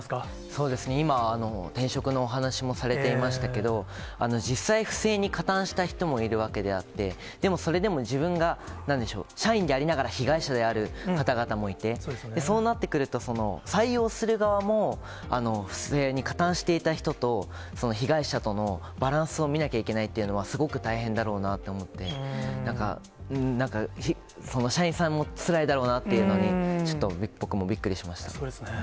そうですね、今、転職のお話もされていましたけど、実際、不正に加担した人もいるわけであって、でもそれでも自分がなんでしょう、社員でありながら被害者である方々もいて、そうなってくると、その採用する側も、不正に加担していた人と、被害者とのバランスを見なきゃいけないっていうのは、すごく大変だろうなと思って、なんか、その社員さんもつらいだろうなというのに、ちょっと僕もびっくりそうですね。